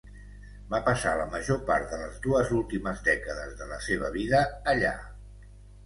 Va passar la major part de les dues últimes dècades de la seva vida allà.